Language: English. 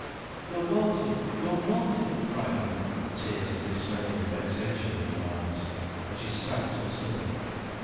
"You're naughty, you're naughty," cried Anna, tears of dismay and vexation in her eyes. And she stamped her slipper.